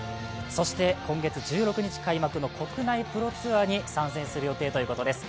そして、今月１６日開幕の国内プロツアーに参戦するということです。